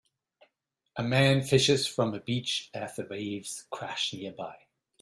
A man fishes from a beach as the waves crash nearby.